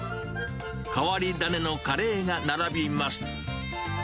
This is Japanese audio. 変わり種のカレーが並びます。